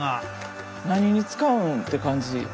何に使うんて感じ。